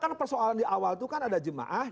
karena persoalan di awal itu kan ada jemaah